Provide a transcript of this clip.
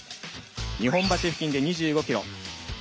日本橋付近で２５ｋｍ。